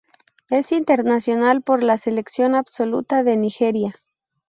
Es internacional por la selección absoluta de Nigeria.